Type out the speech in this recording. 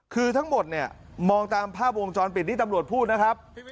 คือทั้งหมดเนี่ยมองตามภาพวงจรปิดที่ตำรวจพูดนะครับ